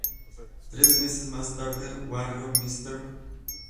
Tres meses más tarde, Warrior, Mr.